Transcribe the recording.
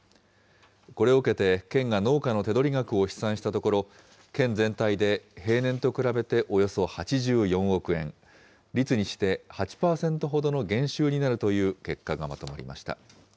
これを受けて、県が農家の手取り額を試算したところ、県全体で平年と比べておよそ８４億円、率にして８％ほどの減収になるという結果がまとまりました。